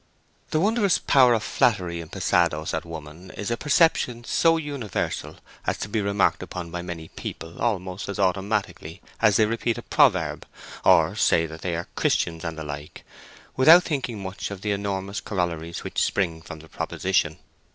The wondrous power of flattery in passados at woman is a perception so universal as to be remarked upon by many people almost as automatically as they repeat a proverb, or say that they are Christians and the like, without thinking much of the enormous corollaries which spring from the proposition.